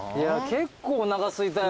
結構おなかすいたよ。